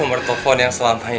aku sudah selesai